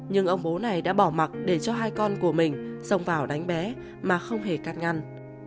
nhưng ông bố này đã bỏ mặt để cho hai con của mình xông vào đánh bé mà không hề cắt ngăn